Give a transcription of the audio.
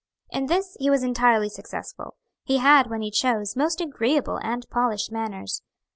In this he was entirely successful. He had, when he chose, most agreeable and polished manners.